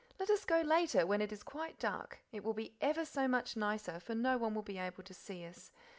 Let us go later, when it is quite dark. It will be EVER so much nicer, for no one will be able to see us.